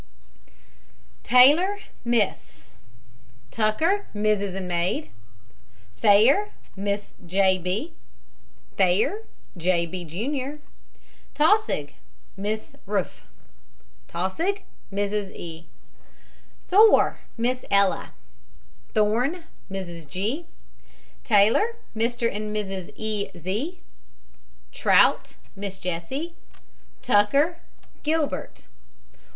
TAYLOR, MISS. TUCKER, MRS., and maid. THAYER, MRS. J. B. THAYER, J. B., JR. TAUSSIG, MISS RUTH. TAUSSIG. MRS. E. THOR, MISS ELLA. THORNE, MRS. G. TAYLOR, MR. AND MRS. E. Z TROUT, MISS JESSIE. TUCKER, GILBERT.